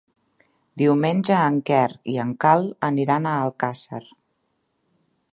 Diumenge en Quer i en Cai aniran a Alcàsser.